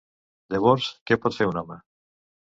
Llavors, què pot fer un home?